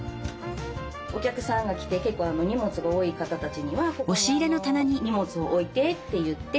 お客さんが来て結構荷物が多い方たちには「ここに荷物を置いて」って言って。